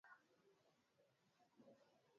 jinsi ya kuvuna viazi lishe